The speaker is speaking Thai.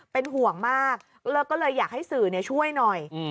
เป็นห่วงมากแล้วก็เลยอยากให้สื่อช่วยหน่อย